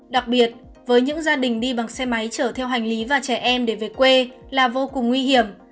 đặc biệt với những gia đình đi bằng xe máy chở theo hành lý và trẻ em để về quê là vô cùng nguy hiểm